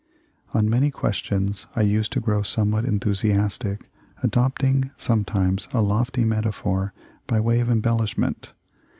On many questions I used to grow somewhat enthusiastic, adopting sometimes a lofty metaphor by way of embellishment.